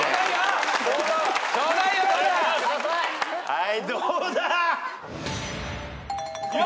はいどうだ！